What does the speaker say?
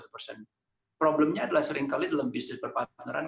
problemnya adalah seringkali dalam bisnis perpanjangan